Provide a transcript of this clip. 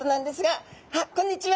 あっこんにちは。